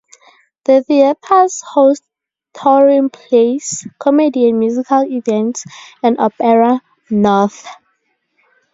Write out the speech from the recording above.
The theatres host touring plays, comedy and musical events and Opera North.